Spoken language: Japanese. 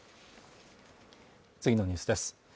次のニュースです